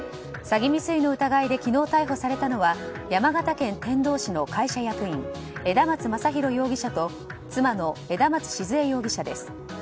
詐欺未遂の疑いで昨日逮捕されたのは山形県天童市の会社役員枝松正広容疑者と妻の枝松静江容疑者です。